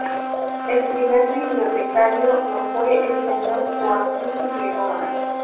El primer bibliotecario lo fue el Señor Joaquin Figueroa.